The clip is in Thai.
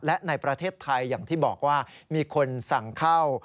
และในประเทศไทยอย่างที่บอกว่ามีคนสั่งเข้า